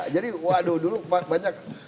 jadi waduh dulu banyak